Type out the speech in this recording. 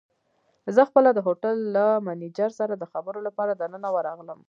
زه خپله د هوټل له مېنېجر سره د خبرو لپاره دننه ورغلم.